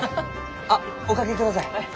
あっお掛けください。